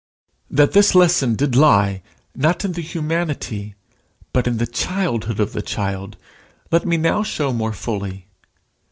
That this lesson did lie, not in the humanity, but in the childhood of the child, let me now show more fully.